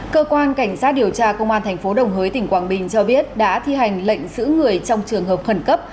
cơ quan cảnh sát điều tra công an tp đồng hới tỉnh quảng bình cho biết đã thi hành lệnh giữ người trong trường hợp khẩn cấp